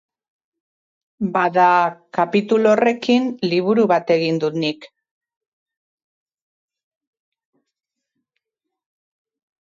Bada, kapitulu horrekin liburu bat egin dut nik.